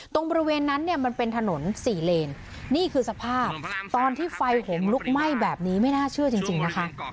บริเวณนั้นเนี่ยมันเป็นถนนสี่เลนนี่คือสภาพตอนที่ไฟห่มลุกไหม้แบบนี้ไม่น่าเชื่อจริงนะคะ